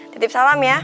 tetep salam ya